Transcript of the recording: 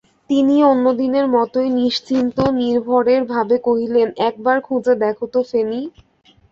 তিনি অন্য দিনের মতোই নিশ্চিন্ত নির্ভরের ভাবে কহিলেন, একবার খুঁজে দেখো তো ফেনি।